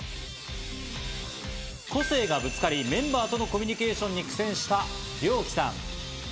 個性がぶつかり、メンバーとのコミュニケーションに苦戦したリョウキさん。